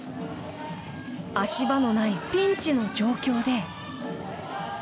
足場のないピンチの状況で。